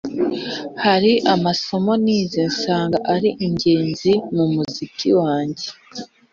Hari amasomo nize nsanga ari ingezi mu muziki wange.